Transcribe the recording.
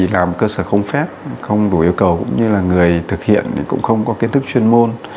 làm cơ sở không phép không đủ yêu cầu cũng như là người thực hiện cũng không có kiến thức chuyên môn